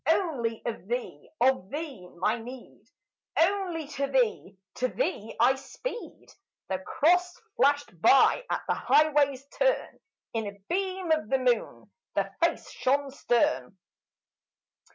Only of thee, of thee, my need! Only to thee, to thee, I speed!" The Cross flashed by at the highway's turn; In a beam of the moon the Face shone stern.